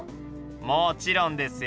もちろんですよ。